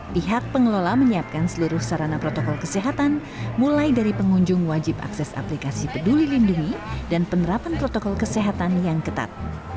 pihak pengelola menyiapkan seluruh sarana protokol kesehatan mulai dari pengunjung wajib akses aplikasi peduli lindungi dan penerapan protokol kesehatan yang ketat